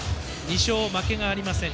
２勝負けがありません。